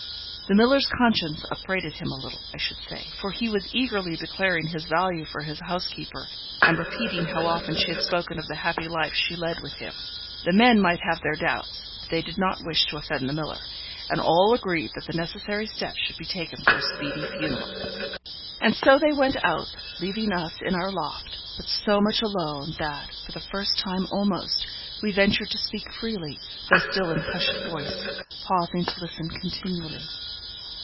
The miller's conscience upbraided him a little, I should say, for he was eagerly declaring his value for his housekeeper, and repeating how often she had spoken of the happy life she led with him. The men might have their doubts, but they did not wish to offend the miller, and all agreed that the necessary steps should be taken for a speedy funeral. And so they went out, leaving us in our loft, but so much alone, that, for the first time almost, we ventured to speak freely, though still in hushed voice, pausing to listen continually.